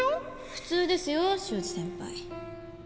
普通ですよ潮路先輩。